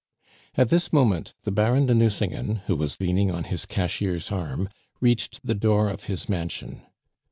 At this moment the Baron de Nucingen, who was leaning on his cashier's arm, reached the door of his mansion.